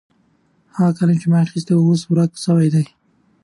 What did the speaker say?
هغه قلم چې ما اخیستی و اوس ورک سوی دی.